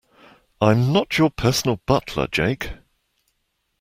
I'm not your personal butler, Jake.